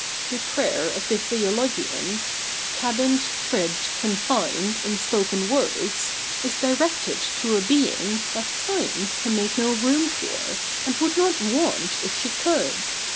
The prayer of the theologian, "cabined, cribbed, con fined " in spoken words, is directed to a Being that Science can make no room for, and would not want, if she could.